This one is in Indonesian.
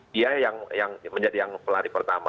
dia yang menjadi yang pelari pertama